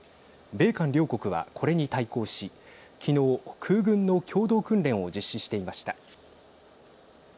米韓両国はこれに対抗し昨日、空軍の共同訓練を実施していました。